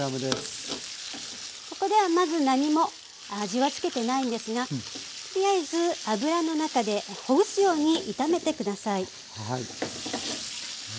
ここではまず何も味は付けてないんですがとりあえず油の中でほぐすように炒めて下さい。